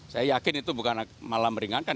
saya yakin itu bukan malam meringankan